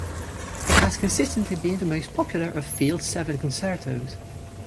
It has consistently been the most popular of Field's seven concertos.